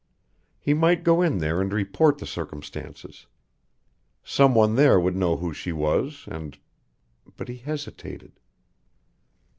He might go in there and report the circumstances. Some one there would know who she was, and but he hesitated.